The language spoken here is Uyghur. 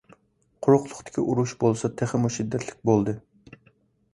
قۇرۇقلۇقتىكى ئۇرۇش بولسا تېخىمۇ شىددەتلىك بولدى.